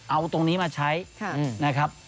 เอาตรงนี้มาใช้นะครับ